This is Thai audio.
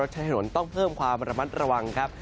ยังไงใครใช้รถใช้ถนนต้องเพิ่มความระมัดระวังครับ